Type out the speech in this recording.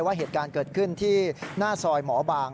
ว่าเหตุการณ์เกิดขึ้นที่หน้าซอยหมอบาง